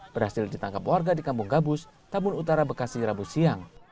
berhasil ditangkap warga di kampung gabus tabun utara bekasi rabu siang